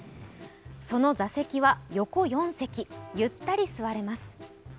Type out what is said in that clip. その座席は横４席、ゆったり座れます。